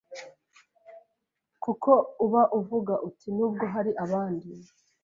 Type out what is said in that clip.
kuko uba uvuga uti nubwo hari abandi